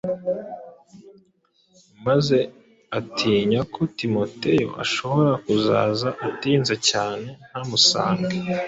maze atinya ko Timoteyo ashobora kuzaza atinze cyane ntamusange